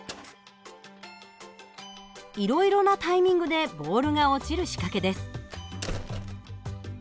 いろいろなタイミングでボールが落ちる仕掛けです。